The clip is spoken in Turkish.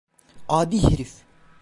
Adi herif!